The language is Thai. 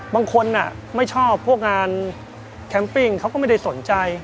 บางคนไม่ชอบพวกงานแคมปิ้งเขาก็ไม่ได้สนใจ